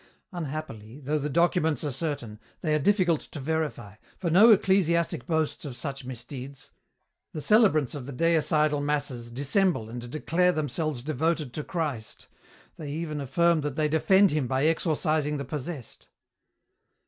Unhappily, though the documents are certain, they are difficult to verify, for no ecclesiastic boasts of such misdeeds. The celebrants of Deicidal masses dissemble and declare themselves devoted to Christ. They even affirm that they defend Him by exorcising the possessed.